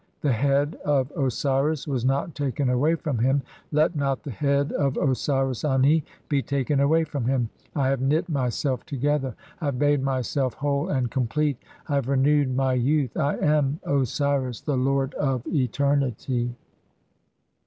The head of Osiris was not taken away from him, "let not the head of Osiris (4) Ani be taken away from him. I "have knit myself together ; I have made myself whole and complete ; I have renewed my youth ; I am Osiris, the lord of eternity."